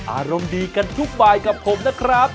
อารมณ์ดีกันทุกบายกับผมนะครับ